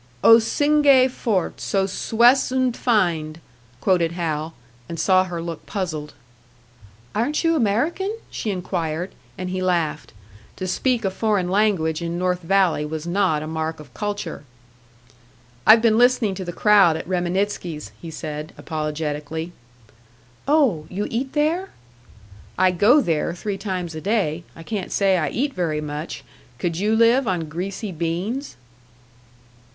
"O, singe fort, so suess und fein!" quoted Hal and saw her look puzzled. "Aren't you American?" she inquired; and he laughed. To speak a foreign language in North Valley was not a mark of culture! "I've been listening to the crowd at Reminitsky's," he said, apologetically. "Oh! You eat there?" "I go there three times a day. I can't say I eat very much. Could you live on greasy beans?"